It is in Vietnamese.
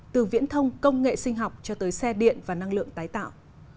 từ viễn thông công nghệ sinh học cho tới xe điện và năng lượng tái tạo